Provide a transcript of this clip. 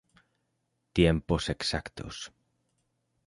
Tiempos exactos.